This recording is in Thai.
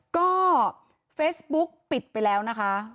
ก็เฟซบุ๊กปิดไปแล้วนะคะ